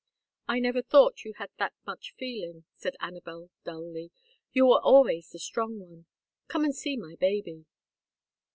"I never thought you had that much feeling," said Anabel, dully. "You were always the strong one. Come and see my baby."